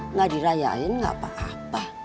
nggak dirayain gak apa apa